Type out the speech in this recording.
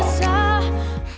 yang tepat buat gue